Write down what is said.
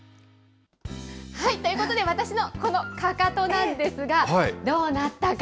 ということで、私のこのかかとなんですが、どうなったか。